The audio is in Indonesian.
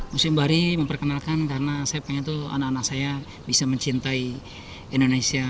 museum bari memperkenalkan karena saya pengen itu anak anak saya bisa mencintai indonesia